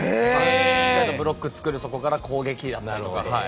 しっかりとブロックを作るそこから攻撃だったりとか。